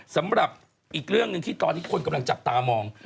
สำหรับอีกเรื่องหนึ่งที่ตอนนี้คนกำลังจับตามอง